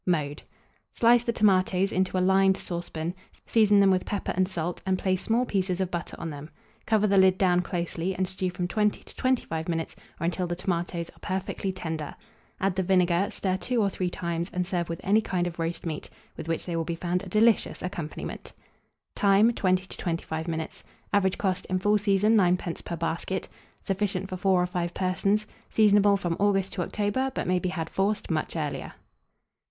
Mode. Slice the tomatoes into a lined saucepan; season them with pepper and salt, and place small pieces of butter on them. Cover the lid down closely, and stew from 20 to 25 minutes, or until the tomatoes are perfectly tender; add the vinegar, stir two or three times, and serve with any kind of roast meat, with which they will be found a delicious accompaniment. Time. 20 to 25 minutes. Average cost, in full season, 9d. per basket. Sufficient for 4 or 5 persons. Seasonable from August to October; but may be had, forced, much earlier.